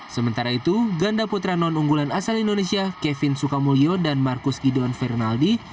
sementara itu ganda putra non unggulan asal indonesia kevin sukamulyo dan marcus gidon fernaldi